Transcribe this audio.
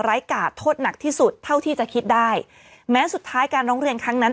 กาดโทษหนักที่สุดเท่าที่จะคิดได้แม้สุดท้ายการร้องเรียนครั้งนั้น